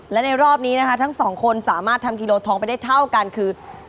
และในรอบนี้นะคะทั้งสองคนสามารถทำกิโลทองไปได้เท่ากันคือ